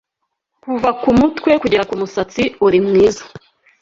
Kuva ku mutwe kugera ku musatsi uri mwiza